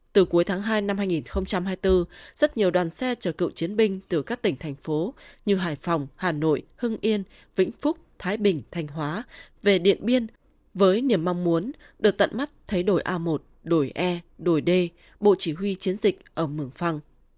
từ cuối tháng hai năm hai nghìn hai mươi bốn rất nhiều đoàn xe chở cựu chiến binh từ các tỉnh thành phố như hải phòng hà nội hưng yên vĩnh phúc thái bình thành hóa về điện biên với niềm mong muốn đợt tận mắt thấy đồi a một đổi e đồi đê bộ chỉ huy chiến dịch ở mường phăng